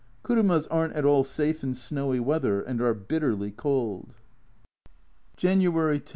Kurumas aren't at all safe in snowy weather, and are bitterly cold. January 10.